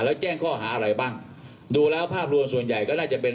แล้วแจ้งข้อหาอะไรบ้างดูแล้วภาพรวมส่วนใหญ่ก็น่าจะเป็น